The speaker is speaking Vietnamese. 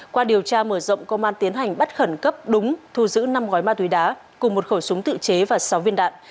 qua điều tra mở rộng công an tiến hành bắt khẩn cấp đúng thu giữ năm gói ma túy đá cùng một khẩu súng tự chế và sáu viên đạn